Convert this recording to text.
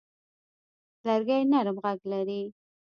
لرګی نرم غږ لري.